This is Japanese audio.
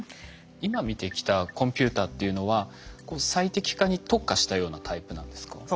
今見てきたコンピューターっていうのは最適化に特化したようなタイプなんですか？